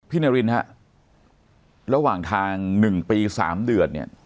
นารินฮะระหว่างทาง๑ปี๓เดือนเนี่ย